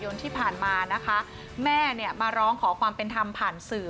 ชีวิตที่ผ่านมาแม่มาร้องขอความเป็นธรรมผ่านสื่อ